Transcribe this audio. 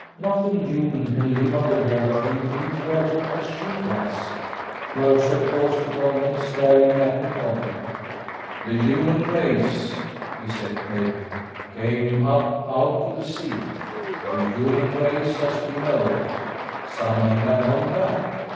"Nothing human can live under water and breathe water, as she does!" Mercer paused a moment, staring at me oddly. "The human race," he said gravely, "came up out of sea. The human race as we know it. Some may have gone back."